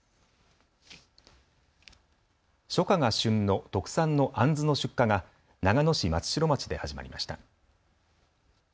初夏が旬の特産のあんずの出荷が長野市松代町で始まりました。